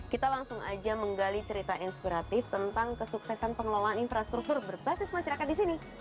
kita langsung aja menggali cerita inspiratif tentang kesuksesan pengelolaan infrastruktur berbasis masyarakat di sini